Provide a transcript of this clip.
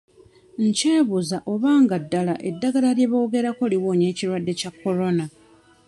Nkyebuuza oba nga ddala eddagala lye boogerako liwonya ekirwadde kya Corona.